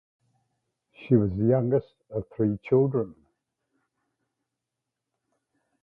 She was the youngest of three children.